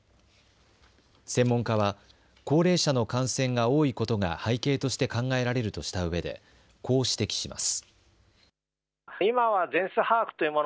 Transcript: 専門家は高齢者の感染が多いことが背景として考えられるとしたうえでこう指摘します。